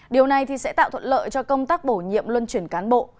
điều này sẽ tạo thuận lợi cho công tác bổ nhiệm luân chuyển cán bộ